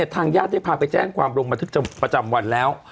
ทางญาติได้พาไปแจ้งความลงบันทึกประจำวันแล้ว